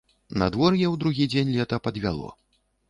Надвор'е ў другі дзень лета падвяло.